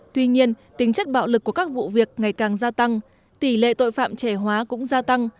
tuy nhiên tính chất bạo lực của các vụ việc ngày càng gia tăng tỷ lệ tội phạm trẻ hóa cũng gia tăng